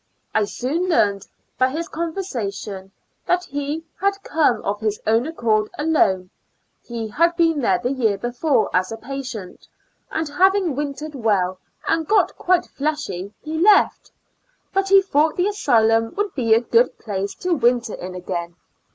I soon learned, by his conversa tion, that he had come of his own accord alone; he had been there tjae year before as a patient, and having wintered well, and got quite fleshy, he left; but he thought the asylum would be a good place to win ter in again.